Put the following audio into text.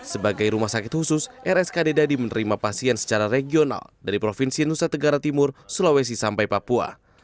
sebagai rumah sakit khusus rskd dadi menerima pasien secara regional dari provinsi nusa tenggara timur sulawesi sampai papua